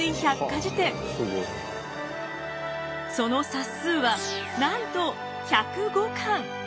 その冊数はなんと１０５巻。